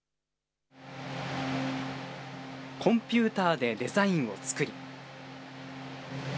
コンピューターでデザインを作り。